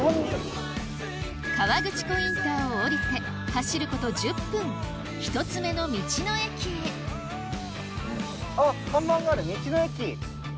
河口湖インターを降りて走ること１０分１つ目の道の駅へあっ。